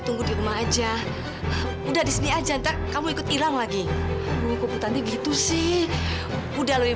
tunggu di rumah aja udah di sini aja entar kamu ikut hilang lagi gitu sih udah lebih